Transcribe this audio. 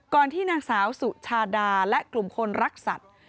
ก่อนที่นางสาวสุชาดาและกลุ่มคนรักษัตริย์